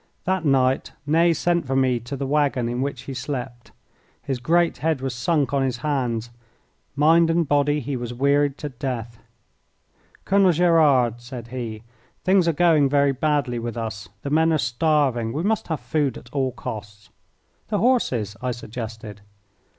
That night Ney sent for me to the waggon in which he slept. His great head was sunk on his hands. Mind and body he was wearied to death. "Colonel Gerard," said he, "things are going very badly with us. The men are starving. We must have food at all costs." "The horses," I suggested.